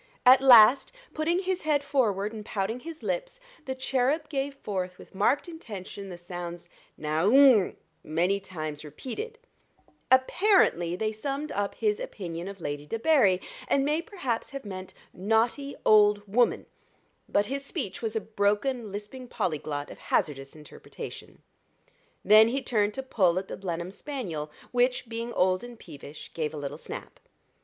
At last, putting his head forward and pouting his lips, the cherub gave forth with marked intention the sounds, "Nau o oom," many times repeated: apparently they summed up his opinion of Lady Debarry, and may perhaps have meant "naughty old woman," but his speech was a broken lisping polyglot of hazardous interpretation. Then he turned to pull at the Blenheim spaniel, which, being old and peevish, gave a little snap.